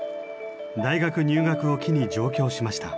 大学入学を機に上京しました。